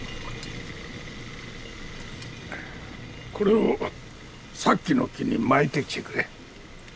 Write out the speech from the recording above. これをさっきの木に巻いてきてくれ。